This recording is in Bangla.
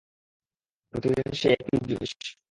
প্রতিদিন সেই একই জিনিস!